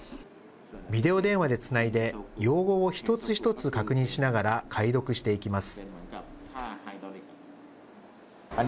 ビデオ電話でつないで、用語を一つ一つ確認しながら解読していきます。